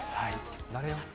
慣れます。